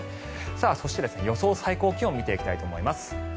そして、予想最高気温を見ていきたいと思います。